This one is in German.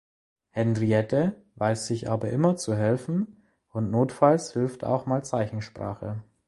Henriette weiß sich aber immer zu helfen und notfalls hilft auch mal Zeichensprache.